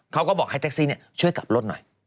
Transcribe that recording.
เขาก็บอกให้แท็กซี่ช่วยกลับรถหน่อย